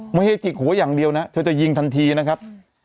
ไม่ใช่จิกหัวอย่างเดียวนะเธอจะยิงทันทีนะครับ